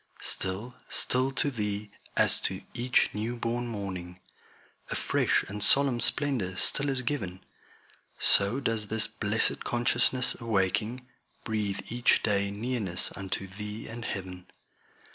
Still, still to Thee, as to each new born morning, A fresh and solemn splendor still is giv'n, So does this blessed consciousness awaking, Breathe each day nearness unto Thee and heav'n.